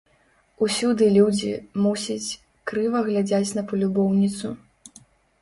Усюды людзі, мусіць, крыва глядзяць на палюбоўніцу.